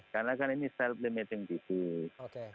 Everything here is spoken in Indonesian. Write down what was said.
karena kan ini self limiting disease